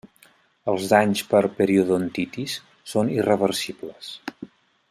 Els danys per periodontitis són irreversibles.